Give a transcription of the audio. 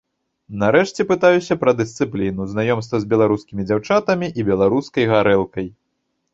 Нарэшце прытаюся пра дысцыпліну, знаёмства з беларускімі дзяўчатамі і беларускай гарэлкай.